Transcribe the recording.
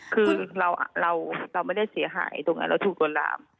คือเราไม่ได้เสียหายตรงนั้นเราถูกลวนลาม